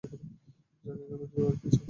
জানি না ভাই, বাকি বাক্স চেক করো।